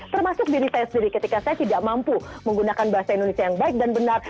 termasuk diri saya sendiri ketika saya tidak mampu menggunakan bahasa indonesia yang baik dan benar